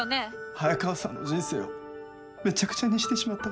早川さんの人生をめちゃくちゃにしてしまったから。